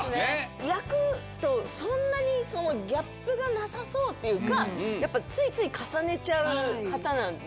役とそんなにギャップがなさそうっていうかついつい重ねちゃう方なんで。